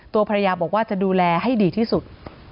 ตัวภรรยาบอกว่าจะดูแลให้ดีที่สุด